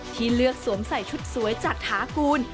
ที่เลือกสวมใส่ชุดสวยจัดฐากูล